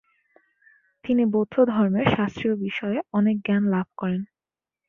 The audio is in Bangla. তিনি বৌদ্ধধর্মের শাস্ত্রীয় বিষয়ে অনেক জ্ঞান লাভ করেন।